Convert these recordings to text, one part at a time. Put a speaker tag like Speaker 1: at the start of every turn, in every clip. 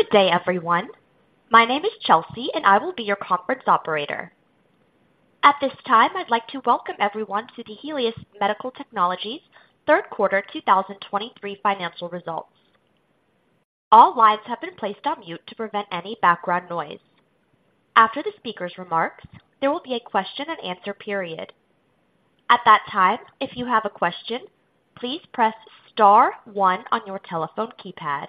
Speaker 1: Good day, everyone. My name is Chelsea, and I will be your conference operator. At this time, I'd like to welcome everyone to the Helius Medical Technologies third quarter 2023 financial results. All lines have been placed on mute to prevent any background noise. After the speaker's remarks, there will be a question-and-answer period. At that time, if you have a question, please press star one on your telephone keypad.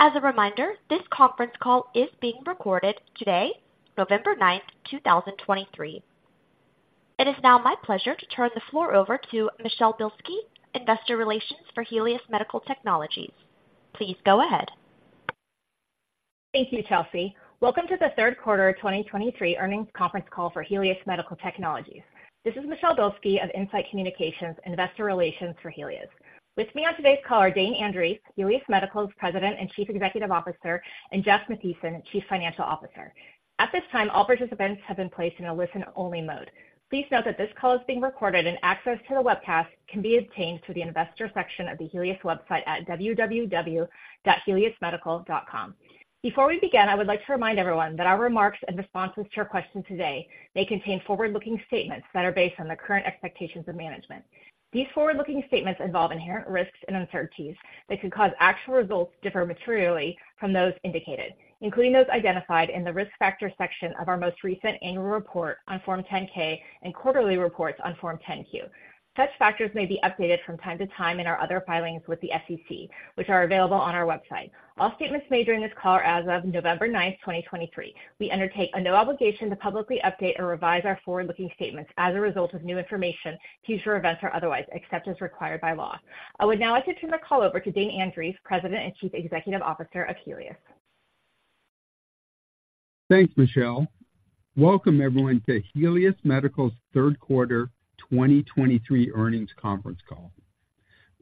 Speaker 1: As a reminder, this conference call is being recorded today, November 9th, 2023. It is now my pleasure to turn the floor over to Michelle Bilski, Investor Relations for Helius Medical Technologies. Please go ahead.
Speaker 2: Thank you, Chelsea. Welcome to the third quarter of 2023 earnings conference call for Helius Medical Technologies. This is Michelle Bilski of In-Site Communications, Investor Relations for Helius. With me on today's call are Dane Andreeff, Helius Medical's President and Chief Executive Officer, and Jeff Mathiesen, Chief Financial Officer. At this time, all participants have been placed in a listen-only mode. Please note that this call is being recorded, and access to the webcast can be obtained through the investor section of the Helius website at www.heliusmedical.com. Before we begin, I would like to remind everyone that our remarks and responses to your questions today may contain forward-looking statements that are based on the current expectations of management. These forward-looking statements involve inherent risks and uncertainties that could cause actual results to differ materially from those indicated, including those identified in the Risk Factors section of our most recent annual report on Form 10-K and quarterly reports on Form 10-Q. Such factors may be updated from time to time in our other filings with the SEC, which are available on our website. All statements made during this call are as of November 9, 2023. We undertake no obligation to publicly update or revise our forward-looking statements as a result of new information, future events, or otherwise, except as required by law. I would now like to turn the call over to Dane Andreeff, President and Chief Executive Officer of Helius.
Speaker 3: Thanks, Michelle. Welcome, everyone, to Helius Medical's third quarter 2023 earnings conference call.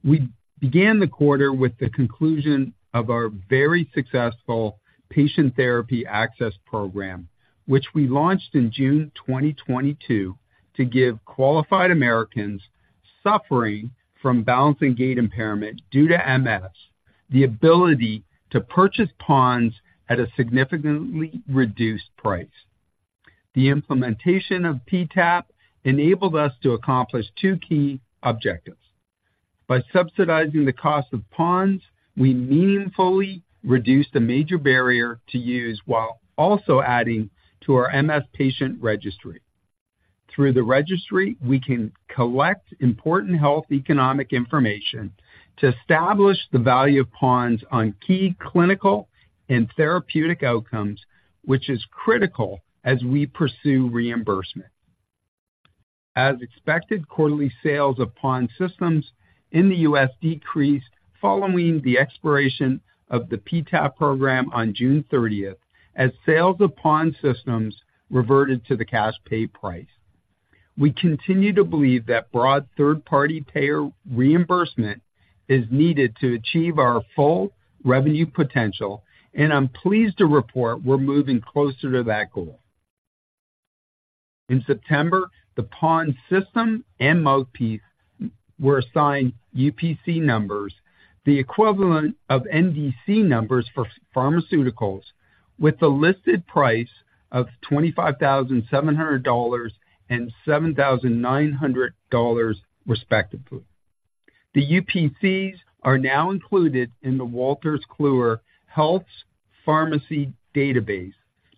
Speaker 3: We began the quarter with the conclusion of our very successful Patient Therapy Access Program, which we launched in June 2022 to give qualified Americans suffering from balance and gait impairment due to MS the ability to purchase PoNS at a significantly reduced price. The implementation of PTAP enabled us to accomplish two key objectives. By subsidizing the cost of PoNS, we meaningfully reduced a major barrier to use while also adding to our MS patient registry. Through the registry, we can collect important health economic information to establish the value of PoNS on key clinical and therapeutic outcomes, which is critical as we pursue reimbursement. As expected, quarterly sales of PoNS systems in the U.S. decreased following the expiration of the PTAP program on June 30, as sales of PoNS systems reverted to the cash pay price. We continue to believe that broad third-party payer reimbursement is needed to achieve our full revenue potential, and I'm pleased to report we're moving closer to that goal. In September, the PoNS system and mouthpiece were assigned UPC numbers, the equivalent of NDC numbers for pharmaceuticals, with a listed price of $25,700 and $7,900, respectively. The UPCs are now included in the Wolters Kluwer Health Pharmacy database,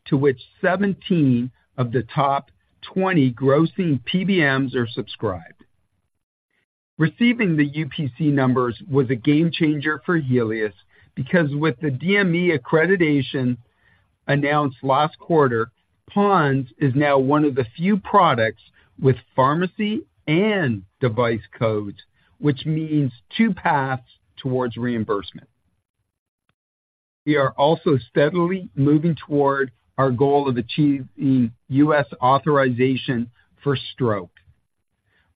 Speaker 3: to which 17 of the top 20 grossing PBMs are subscribed. Receiving the UPC numbers was a game changer for Helius because with the DME accreditation announced last quarter, PoNS is now one of the few products with pharmacy and device codes, which means two paths towards reimbursement. We are also steadily moving toward our goal of achieving U.S. authorization for stroke.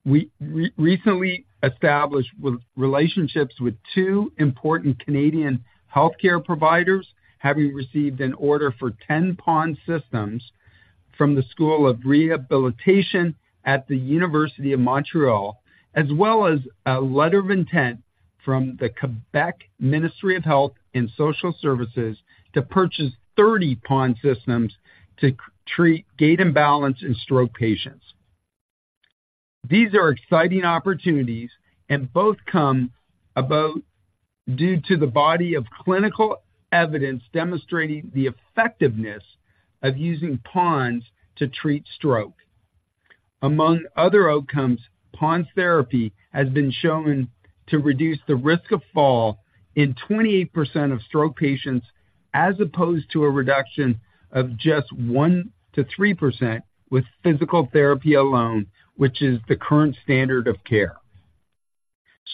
Speaker 3: We recently established relationships with two important Canadian healthcare providers, having received an order for 10 PoNS systems from the School of Rehabilitation at the Université de Montréal, as well as a letter of intent from the Quebec Ministry of Health and Social Services to purchase 30 PoNS systems to treat gait imbalance in stroke patients. These are exciting opportunities, and both come about due to the body of clinical evidence demonstrating the effectiveness of using PoNS to treat stroke. Among other outcomes, PoNS therapy has been shown to reduce the risk of fall in 28% of stroke patients, as opposed to a reduction of just 1%-3% with physical therapy alone, which is the current standard of care.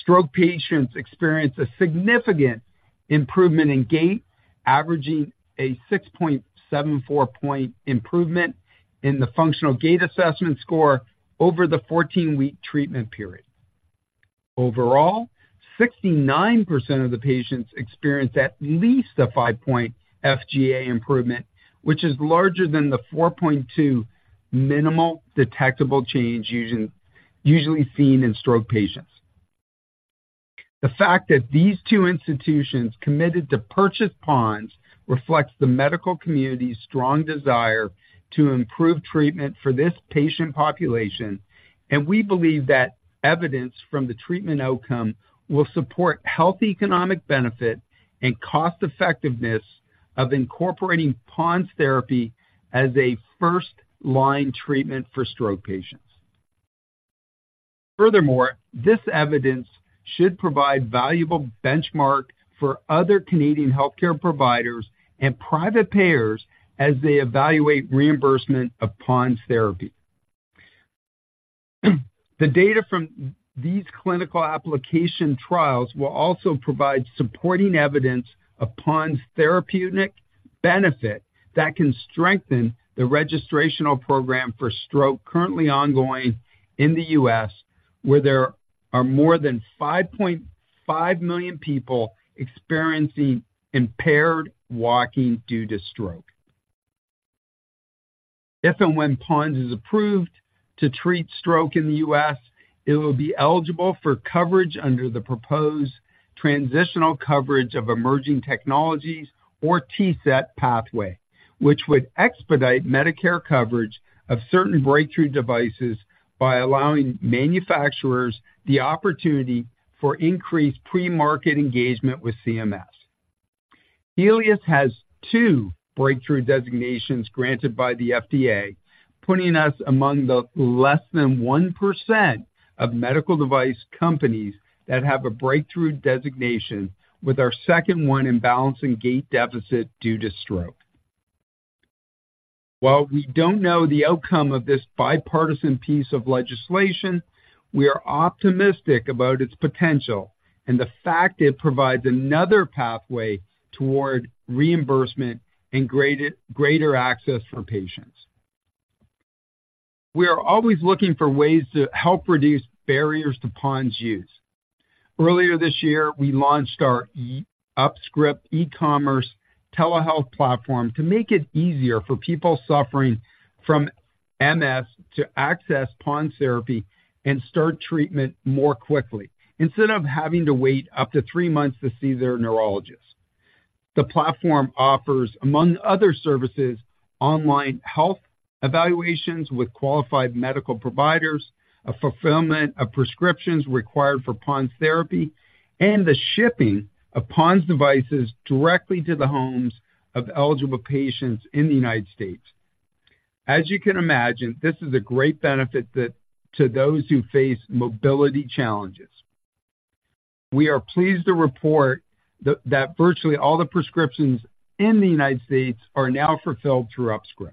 Speaker 3: Stroke patients experience a significant improvement in gait, averaging a 6.74-point improvement in the Functional Gait Assessment score over the 14-week treatment period. Overall, 69% of the patients experienced at least a 5-point FGA improvement, which is larger than the 4.2 minimal detectable change usually seen in stroke patients. The fact that these two institutions committed to purchase PoNS reflects the medical community's strong desire to improve treatment for this patient population, and we believe that evidence from the treatment outcome will support health, economic benefit, and cost-effectiveness of incorporating PoNS Therapy as a first-line treatment for stroke patients. Furthermore, this evidence should provide valuable benchmark for other Canadian healthcare providers and private payers as they evaluate reimbursement of PoNS Therapy. The data from these clinical application trials will also provide supporting evidence of PoNS therapeutic benefit that can strengthen the registrational program for stroke currently ongoing in the U.S., where there are more than 5.5 million people experiencing impaired walking due to stroke. If and when PoNS is approved to treat stroke in the U.S., it will be eligible for coverage under the proposed Transitional Coverage of Emerging Technologies, or TCET pathway, which would expedite Medicare coverage of certain breakthrough devices by allowing manufacturers the opportunity for increased pre-market engagement with CMS. Helius has two breakthrough designations granted by the FDA, putting us among the less than 1% of medical device companies that have a breakthrough designation, with our second one in balance and gait deficit due to stroke. While we don't know the outcome of this bipartisan piece of legislation, we are optimistic about its potential and the fact it provides another pathway toward reimbursement and greater, greater access for patients. We are always looking for ways to help reduce barriers to PoNS use. Earlier this year, we launched our UpScript e-commerce telehealth platform to make it easier for people suffering from MS to access PoNS Therapy and start treatment more quickly, instead of having to wait up to three months to see their neurologist. The platform offers, among other services, online health evaluations with qualified medical providers, a fulfillment of prescriptions required for PoNS Therapy, and the shipping of PoNS devices directly to the homes of eligible patients in the United States. As you can imagine, this is a great benefit to those who face mobility challenges. We are pleased to report that virtually all the prescriptions in the United States are now fulfilled through UpScript.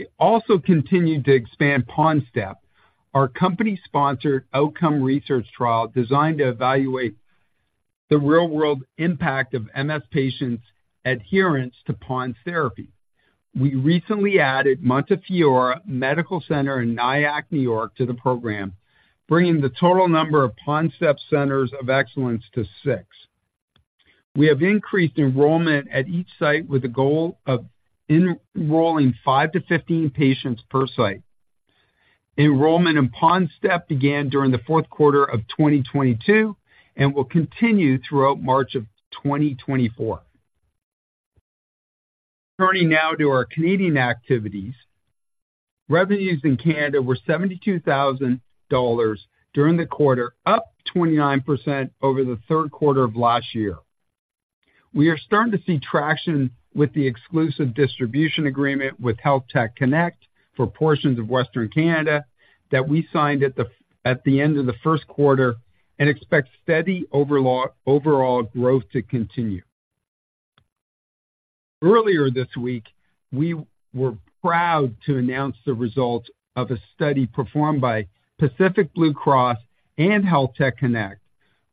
Speaker 3: We also continued to expand PoNS STEP, our company-sponsored outcome research trial designed to evaluate the real-world impact of MS patients' adherence to PoNS Therapy. We recently added Montefiore Medical Center in Nyack, New York, to the program, bringing the total number of PoNS STEP Centers of Excellence to 6. We have increased enrollment at each site, with a goal of enrolling 5-15 patients per site. Enrollment in PoNS STEP began during the fourth quarter of 2022 and will continue throughout March of 2024. Turning now to our Canadian activities. Revenues in Canada were $72,000 during the quarter, up 29% over the third quarter of last year. We are starting to see traction with the exclusive distribution agreement with HealthTech Connex for portions of Western Canada that we signed at the end of the first quarter and expect steady overall growth to continue. Earlier this week, we were proud to announce the results of a study performed by Pacific Blue Cross and HealthTech Connex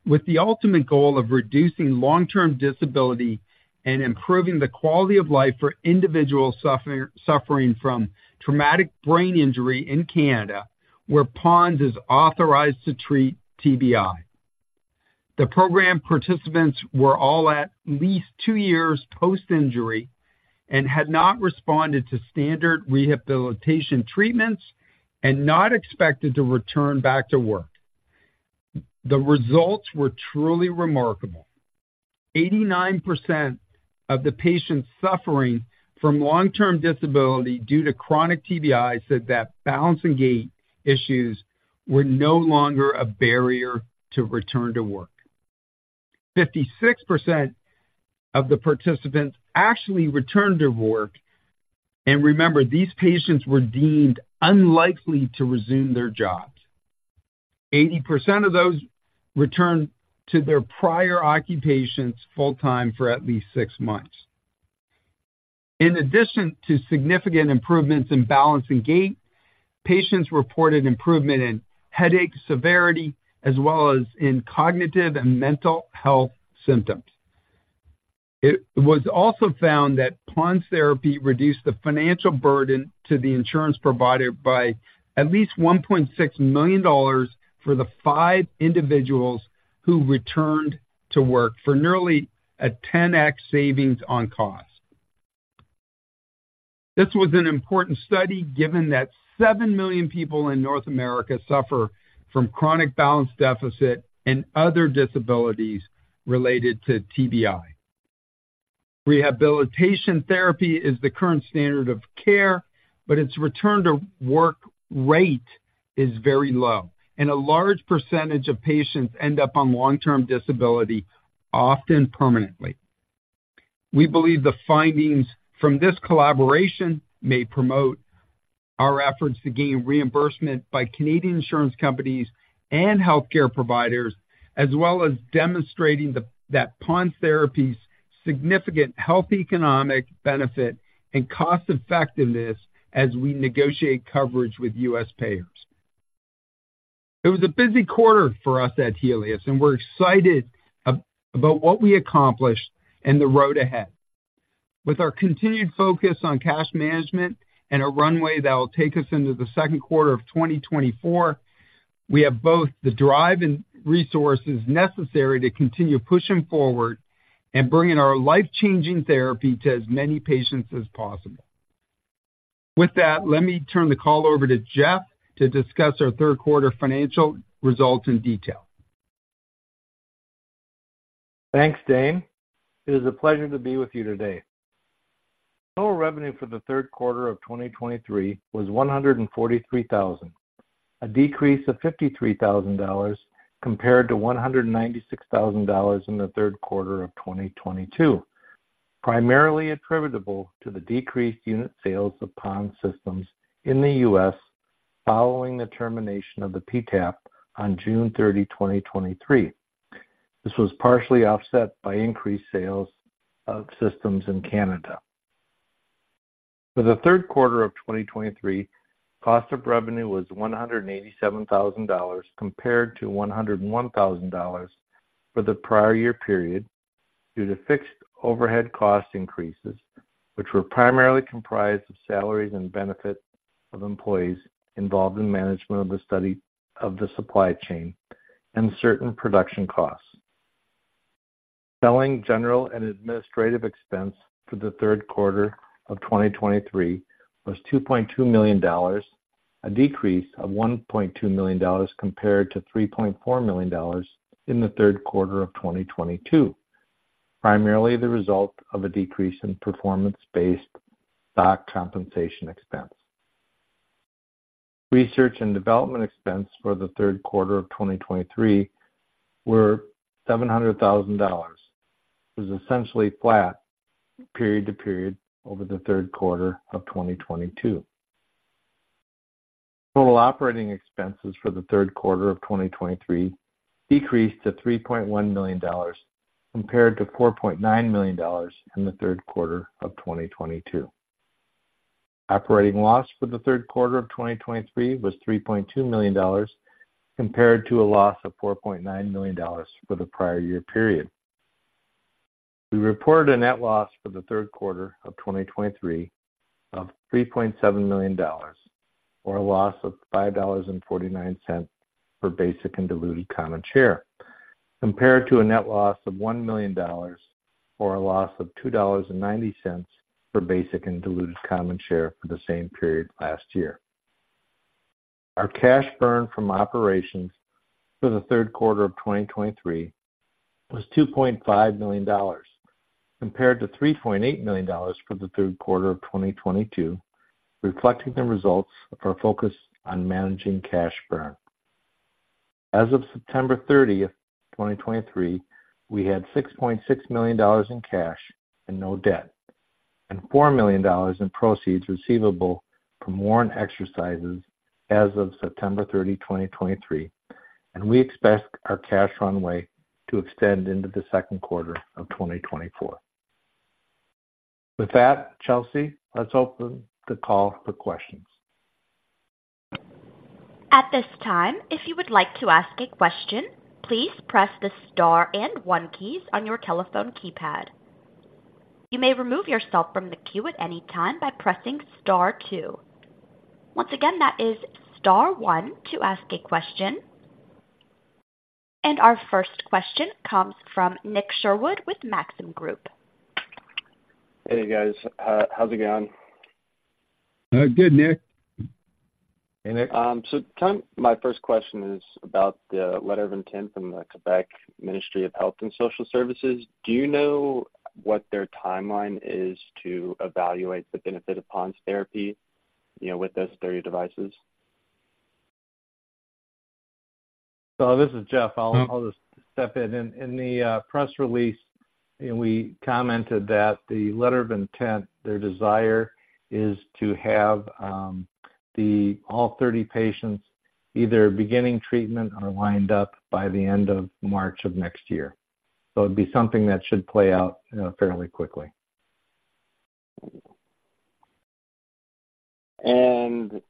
Speaker 3: with the ultimate goal of reducing long-term disability and improving the quality of life for individuals suffering from traumatic brain injury in Canada, where PoNS is authorized to treat TBI. The program participants were all at least two years post-injury and had not responded to standard rehabilitation treatments and not expected to return back to work. The results were truly remarkable. 89% of the patients suffering from long-term disability due to chronic TBI said that balance and gait issues were no longer a barrier to return to work. 56% of the participants actually returned to work, and remember, these patients were deemed unlikely to resume their jobs. 80% of those returned to their prior occupations full-time for at least six months. In addition to significant improvements in balance and gait, patients reported improvement in headache severity, as well as in cognitive and mental health symptoms. It was also found that PoNS Therapy reduced the financial burden to the insurance provider by at least $1.6 million for the five individuals who returned to work, for nearly a 10x savings on cost... This was an important study, given that 7 million people in North America suffer from chronic balance deficit and other disabilities related to TBI. Rehabilitation therapy is the current standard of care, but its return to work rate is very low, and a large percentage of patients end up on long-term disability, often permanently. We believe the findings from this collaboration may promote our efforts to gain reimbursement by Canadian insurance companies and healthcare providers, as well as demonstrating that PoNS Therapy's significant health, economic benefit, and cost effectiveness as we negotiate coverage with U.S. payers. It was a busy quarter for us at Helius, and we're excited about what we accomplished and the road ahead. With our continued focus on cash management and a runway that will take us into the second quarter of 2024, we have both the drive and resources necessary to continue pushing forward and bringing our life-changing therapy to as many patients as possible. With that, let me turn the call over to Jeff to discuss our third quarter financial results in detail.
Speaker 4: Thanks, Dane. It is a pleasure to be with you today. Total revenue for the third quarter of 2023 was $143,000, a decrease of $53,000 compared to $196,000 in the third quarter of 2022, primarily attributable to the decreased unit sales of PoNS systems in the U.S. following the termination of the PTAP on June 30, 2023. This was partially offset by increased sales of systems in Canada. For the third quarter of 2023, cost of revenue was $187,000, compared to $101,000 for the prior year period, due to fixed overhead cost increases, which were primarily comprised of salaries and benefits of employees involved in management of the study of the supply chain and certain production costs. Selling general and administrative expense for the third quarter of 2023 was $2.2 million, a decrease of $1.2 million compared to $3.4 million in the third quarter of 2022, primarily the result of a decrease in performance-based stock compensation expense. Research and development expense for the third quarter of 2023 were $700,000. It was essentially flat period to period over the third quarter of 2022. Total operating expenses for the third quarter of 2023 decreased to $3.1 million, compared to $4.9 million in the third quarter of 2022. Operating loss for the third quarter of 2023 was $3.2 million, compared to a loss of $4.9 million for the prior year period. We reported a net loss for the third quarter of 2023 of $3.7 million, or a loss of $5.49 per basic and diluted common share, compared to a net loss of $1 million, or a loss of $2.90 per basic and diluted common share for the same period last year. Our cash burn from operations for the third quarter of 2023 was $2.5 million, compared to $3.8 million for the third quarter of 2022, reflecting the results of our focus on managing cash burn. As of September 30th, 2023, we had $6.6 million in cash and no debt, and $4 million in proceeds receivable from warrant exercises as of September 30th, 2023, and we expect our cash runway to extend into the second quarter of 2024. With that, Chelsea, let's open the call for questions.
Speaker 1: At this time, if you would like to ask a question, please press the star and one keys on your telephone keypad. You may remove yourself from the queue at any time by pressing star two. Once again, that is star one to ask a question. Our first question comes from Nick Sherwood with Maxim Group.
Speaker 5: Hey, guys. How's it going?
Speaker 3: Good, Nick.
Speaker 4: Hey, Nick.
Speaker 5: My first question is about the letter of intent from the Quebec Ministry of Health and Social Services. Do you know what their timeline is to evaluate the benefit of PoNS Therapy, you know, with those 30 devices?
Speaker 4: This is Jeff.
Speaker 5: Mm-hmm.
Speaker 4: I'll just step in. In the press release, we commented that the letter of intent, their desire is to have all 30 patients either beginning treatment or lined up by the end of March of next year. So it'd be something that should play out fairly quickly.
Speaker 5: And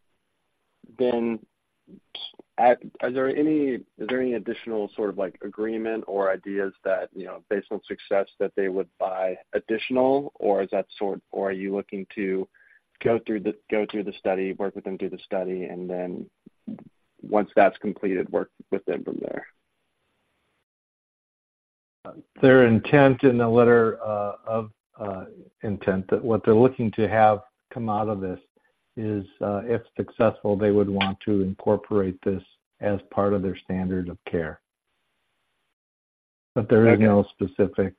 Speaker 5: then, is there any additional sort of, like, agreement or ideas that, you know, based on success, that they would buy additional, or are you looking to go through the, go through the study, work with them through the study, and then once that's completed, work with them from there? ...
Speaker 4: Their intent in the letter of intent, that what they're looking to have come out of this is, if successful, they would want to incorporate this as part of their standard of care. But there are no specific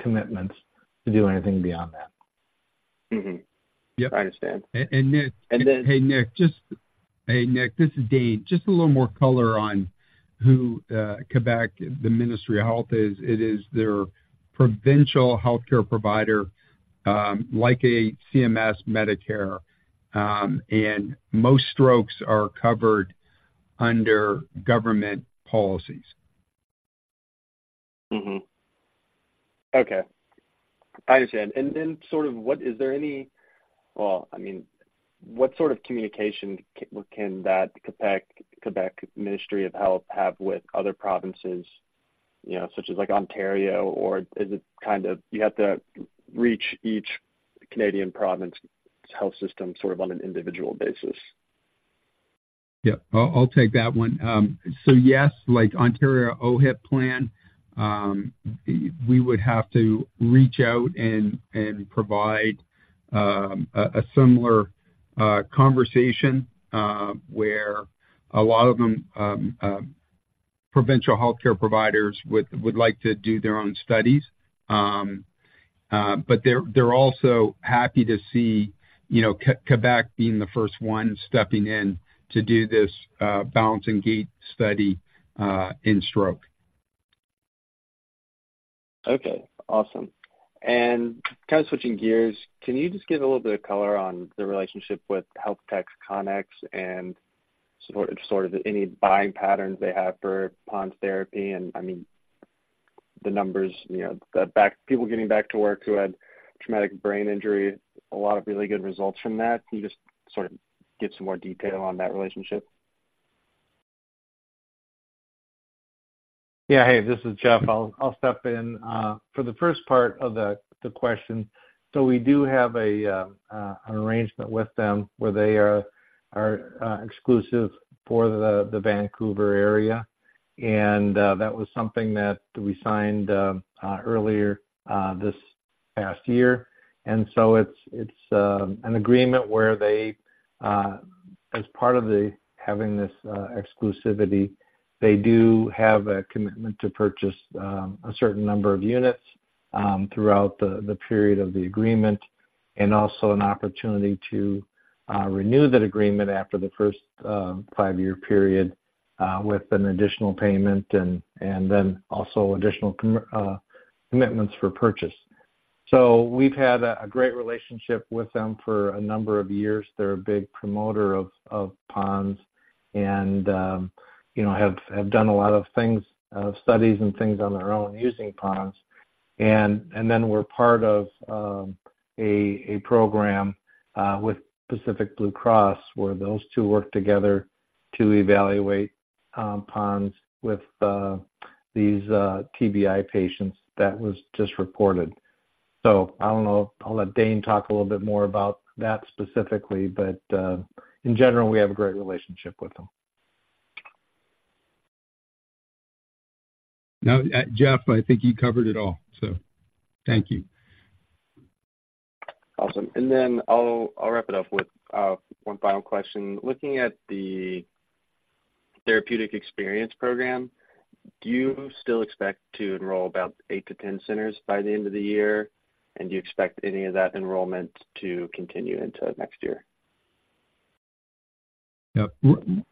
Speaker 4: commitments to do anything beyond that.
Speaker 5: Mm-hmm.
Speaker 3: Yep.
Speaker 5: I understand.
Speaker 3: Nick-
Speaker 5: And then-
Speaker 3: Hey, Nick, just... Hey, Nick, this is Dane. Just a little more color on who Quebec, the Ministry of Health is. It is their provincial healthcare provider, like CMS Medicare, and most strokes are covered under government policies.
Speaker 5: Mm-hmm. Okay, I understand. And then sort of what is there... Well, I mean, what sort of communication can that Quebec Ministry of Health have with other provinces, you know, such as, like, Ontario? Or is it kind of, you have to reach each Canadian province health system sort of on an individual basis?
Speaker 3: Yep, I'll take that one. So yes, like Ontario OHIP plan, we would have to reach out and provide a similar conversation where a lot of them provincial healthcare providers would like to do their own studies. But they're also happy to see, you know, Quebec being the first one stepping in to do this balance and gait study in stroke.
Speaker 5: Okay, awesome. And kind of switching gears, can you just give a little bit of color on the relationship with HealthTech Connex and sort of, sort of any buying patterns they have for PoNS Therapy? And, I mean, the numbers, you know, that back people getting back to work who had Traumatic Brain Injury, a lot of really good results from that. Can you just sort of give some more detail on that relationship?
Speaker 4: Yeah. Hey, this is Jeff. I'll step in for the first part of the question. So we do have an arrangement with them where they are exclusive for the Vancouver area. And that was something that we signed earlier this past year. And so it's an agreement where they, as part of the having this exclusivity, they do have a commitment to purchase a certain number of units throughout the period of the agreement, and also an opportunity to renew that agreement after the first five-year period with an additional payment and then also additional commitments for purchase. So we've had a great relationship with them for a number of years. They're a big promoter of PoNS and, you know, have done a lot of things, studies and things on their own using PoNS. And then we're part of a program with Pacific Blue Cross, where those two work together to evaluate PoNS with these TBI patients. That was just reported. So I don't know. I'll let Dane talk a little bit more about that specifically, but in general, we have a great relationship with them.
Speaker 3: No, Jeff, I think you covered it all, so thank you.
Speaker 5: Awesome. And then I'll wrap it up with one final question. Looking at the therapeutic experience program, do you still expect to enroll about 8-10 centers by the end of the year? And do you expect any of that enrollment to continue into next year?
Speaker 3: Yeah.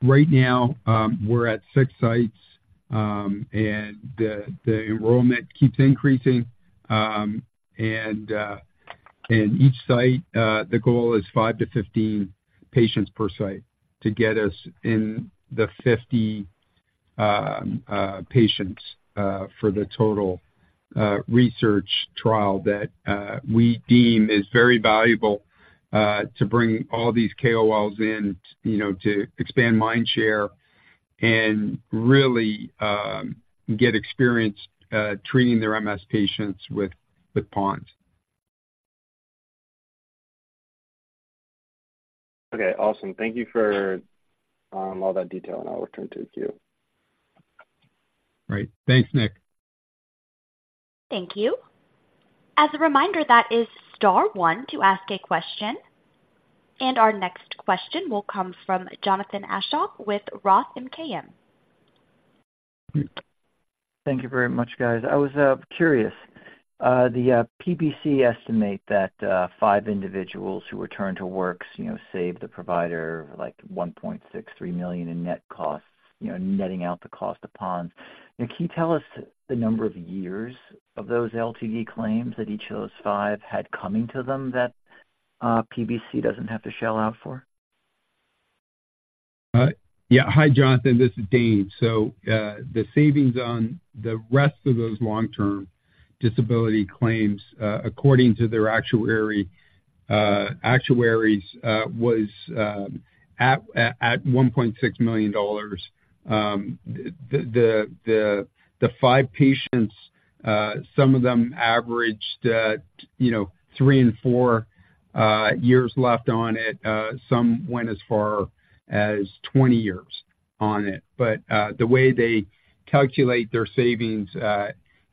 Speaker 3: Right now, we're at 6 sites, and the enrollment keeps increasing. Each site, the goal is 5-15 patients per site to get us in the 50 patients for the total research trial that we deem is very valuable to bring all these KOLs in, you know, to expand mindshare and really get experience treating their MS patients with PoNS.
Speaker 5: Okay, awesome. Thank you for all that detail, and I'll return to the queue.
Speaker 3: Great. Thanks, Nick.
Speaker 1: Thank you. As a reminder, that is star one to ask a question. And our next question will come from Jonathan Aschoff with Roth MKM.
Speaker 6: Thank you very much, guys. I was curious, the PBC estimate that five individuals who return to work, you know, save the provider, like, 1.63 million in net costs, you know, netting out the cost of PoNS. Now, can you tell us the number of years of those LTD claims that each of those five had coming to them that PBC doesn't have to shell out for?
Speaker 3: Yeah. Hi, Jonathan, this is Dane. So, the savings on the rest of those long-term disability claims, according to their actuary, actuaries, was at 1.6 million dollars. The five patients, some of them averaged, you know, 3 and 4 years left on it. Some went as far as 20 years on it. But, the way they calculate their savings,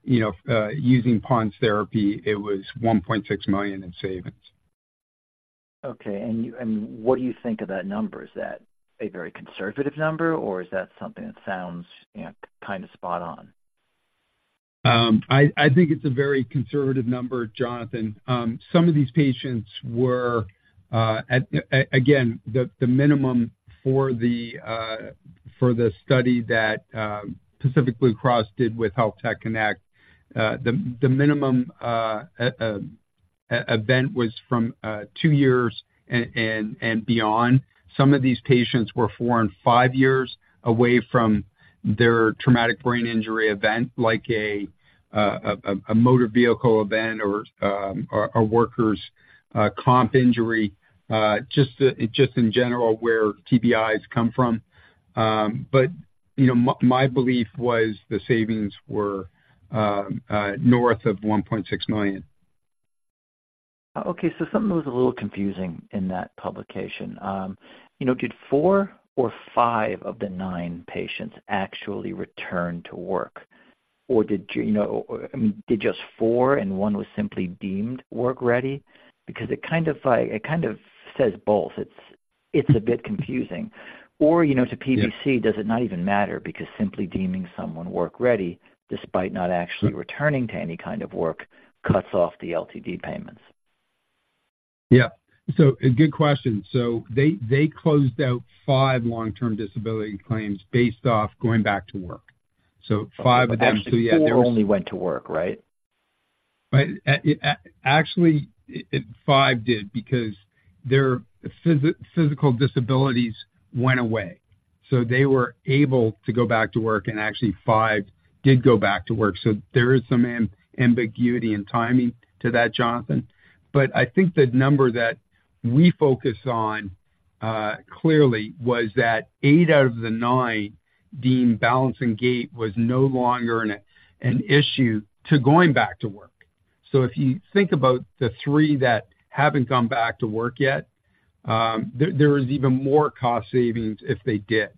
Speaker 3: you know, using PoNS therapy, it was $1.6 million in savings....
Speaker 6: Okay, and what do you think of that number? Is that a very conservative number, or is that something that sounds, you know, kind of spot on?
Speaker 3: I think it's a very conservative number, Jonathan. Some of these patients were at again the minimum for the study that Pacific Blue Cross did with HealthTech Connex, the minimum event was from 2 years and beyond. Some of these patients were 4 and 5 years away from their traumatic brain injury event, like a motor vehicle event or a worker's comp injury. Just in general, where TBIs come from. But, you know, my belief was the savings were north of 1.6 million.
Speaker 6: Okay, so something was a little confusing in that publication. You know, did four or five of the nine patients actually return to work, or did, you know, I mean, did just four and one was simply deemed work ready? Because it kind of like, it kind of says both. It's, it's a bit confusing. Or, you know, to PBC, does it not even matter because simply deeming someone work ready, despite not actually returning to any kind of work, cuts off the LTD payments?
Speaker 3: Yeah. So a good question. So they closed out five long-term disability claims based off going back to work. So five of them-
Speaker 6: Actually, 4 only went to work, right?
Speaker 3: Right. Actually, five did, because their physical disabilities went away, so they were able to go back to work, and actually five did go back to work. So there is some ambiguity and timing to that, Jonathan. But I think the number that we focus on, clearly was that eight out of the nine deemed balance and gait was no longer an issue to going back to work. So if you think about the three that haven't gone back to work yet, there is even more cost savings if they did.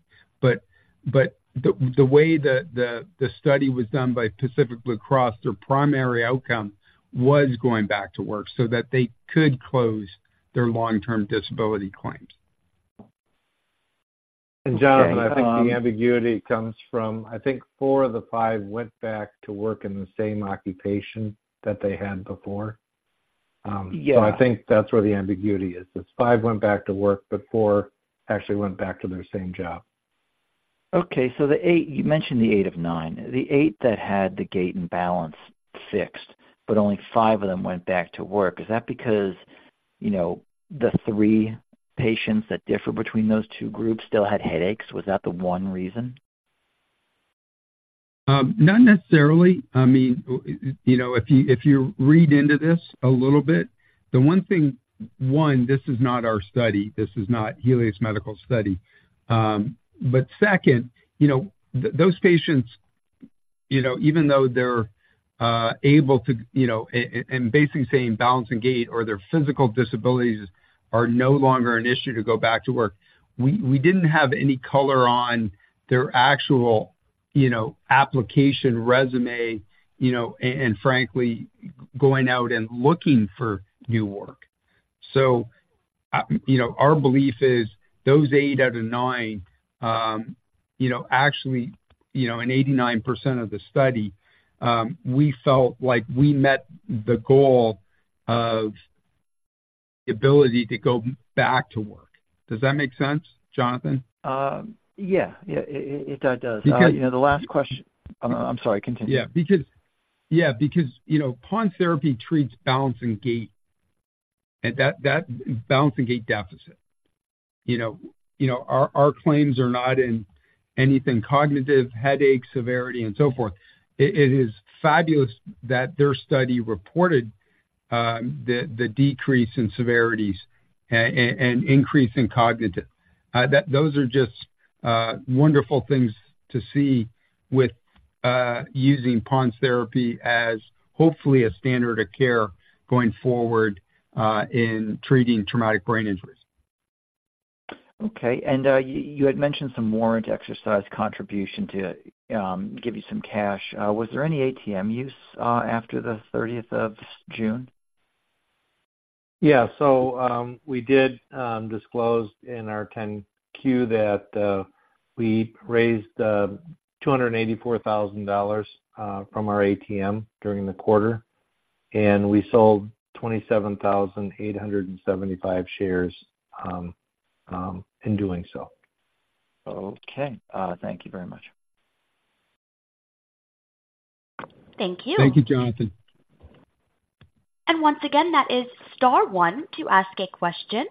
Speaker 3: But the way the study was done by Pacific Blue Cross, their primary outcome was going back to work so that they could close their long-term disability claims.
Speaker 4: Jonathan, I think the ambiguity comes from... I think four of the five went back to work in the same occupation that they had before.
Speaker 3: Yeah.
Speaker 4: So I think that's where the ambiguity is. Because five went back to work, but four actually went back to their same job.
Speaker 6: Okay, so the eight, you mentioned the eight of nine. The eight that had the gait and balance fixed, but only five of them went back to work. Is that because, you know, the three patients that differ between those two groups still had headaches? Was that the one reason?
Speaker 3: Not necessarily. I mean, you know, if you, if you read into this a little bit, the one thing, one, this is not our study, this is not Helius Medical's study. But second, you know, those patients, you know, even though they're able to, you know, and basically saying balance and gait or their physical disabilities are no longer an issue to go back to work. We, we didn't have any color on their actual, you know, application resume, you know, and frankly, going out and looking for new work. So, you know, our belief is those eight out of nine, you know, actually, you know, in 89% of the study, we felt like we met the goal of the ability to go back to work. Does that make sense, Jonathan?
Speaker 6: Yeah. Yeah, it that does.
Speaker 3: Because-
Speaker 6: Yeah, the last question... I'm sorry. Continue.
Speaker 3: Yeah, because, yeah, because, you know, PoNS Therapy treats balance and gait, and that balance and gait deficit. You know, our claims are not in anything cognitive, headache, severity, and so forth. It is fabulous that their study reported the decrease in severities and increase in cognitive. Those are just wonderful things to see with using PoNS Therapy as hopefully a standard of care going forward in treating traumatic brain injuries.
Speaker 6: Okay. And, you had mentioned some warrant exercise contribution to give you some cash. Was there any ATM use after the thirtieth of June?
Speaker 4: Yeah. So, we did disclose in our 10-Q that we raised $284,000 from our ATM during the quarter, and we sold 27,875 shares in doing so.
Speaker 6: Okay. Thank you very much.
Speaker 1: Thank you.
Speaker 3: Thank you, Jonathan.
Speaker 1: Once again, that is star one to ask a question.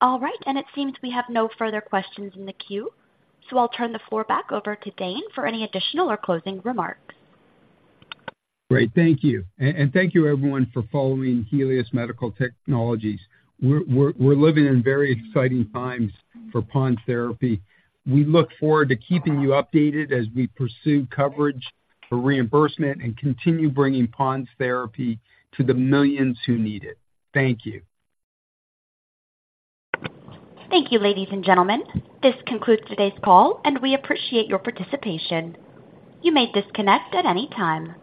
Speaker 1: All right. It seems we have no further questions in the queue, so I'll turn the floor back over to Dane for any additional or closing remarks.
Speaker 3: Great. Thank you. And thank you everyone for following Helius Medical Technologies. We're living in very exciting times for PoNS Therapy. We look forward to keeping you updated as we pursue coverage for reimbursement and continue bringing PoNS Therapy to the millions who need it. Thank you.
Speaker 1: Thank you, ladies and gentlemen. This concludes today's call, and we appreciate your participation. You may disconnect at any time.